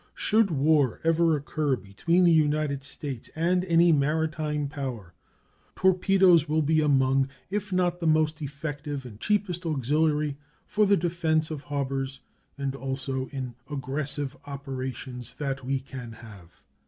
Should war ever occur between the United States and any maritime power, torpedoes will be among if not the most effective and cheapest auxiliary for the defense of harbors, and also in aggressive operations, that we can have.